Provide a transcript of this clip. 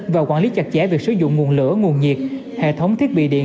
và quản lý chặt chẽ việc sử dụng nguồn lửa nguồn nhiệt hệ thống thiết bị điện